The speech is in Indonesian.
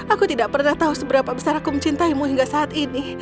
aku tidak pernah tahu seberapa besar aku mencintaimu hingga saat ini